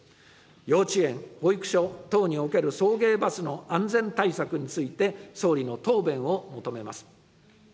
幼稚園・保育所等における送迎バスの安全対策について、総理の答弁を求めます。